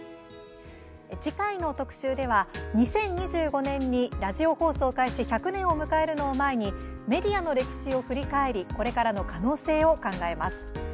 次回の特集では２０２５年にラジオ放送開始１００年を迎えるのを前にメディアの歴史を振り返りこれからの可能性を考えます。